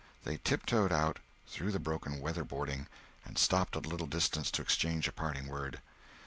They tip toed out, through the broken weather boarding, and stopped at a little distance to exchange a parting word.